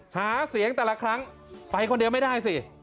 หาเสียงแต่ละครั้งไปคนเดียวไม่ได้สิ